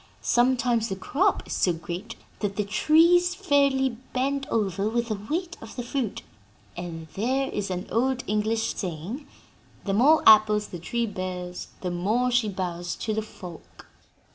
Sometimes the crop is so great that the trees fairly bend over with the weight of the fruit, and there is an old English saying: 'The more apples the tree bears, the more she bows to the folk.'"